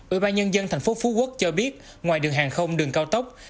ủy ban nhân dân tp phú quốc cho biết ngoài đường hàng không đường cao tốc